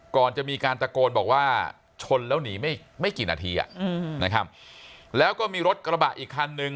ก่อนจะมีการตะโกนบอกว่าชนแล้วหนีไม่ไม่กี่นาทีนะครับแล้วก็มีรถกระบะอีกคันนึง